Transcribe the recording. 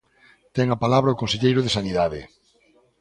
Ten a palabra o conselleiro de Sanidade.